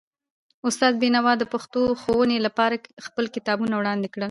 استاد بینوا د پښتو ښوونې لپاره خپل کتابونه وړاندې کړل.